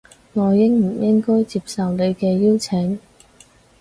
我應唔應該接受你嘅邀請